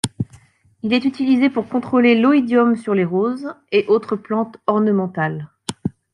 Il est utilisé pour contrôler l'oïdium sur les roses et autres plantes ornementales.